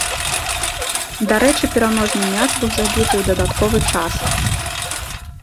Дарэчы пераможны мяч быў забіты ў дадатковы час.